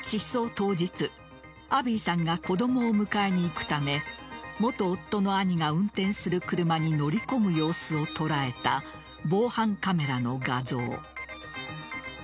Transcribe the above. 当日アビーさんが子供を迎えに行くため元夫の兄が運転する車に乗り込む様子を捉えた防犯カメラの画像。